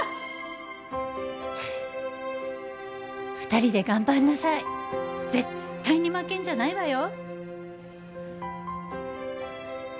「２人で頑張んなさい」「絶対に負けんじゃないわよ！」